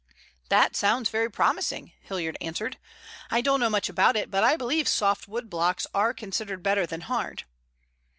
"That sounds very promising," Hilliard answered. "I don't know much about it, but I believe soft wood blocks are considered better than hard."